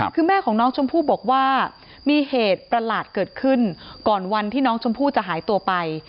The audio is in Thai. คือแม่ของน้องชมพู่บอกว่ามีเหตุประหลาดเกิดขึ้นก่อนวันที่น้องชมพู่จะหายตัวไป